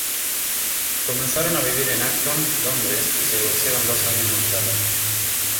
Comenzaron a vivir en Acton, Londres, y se divorciaron dos años más tarde.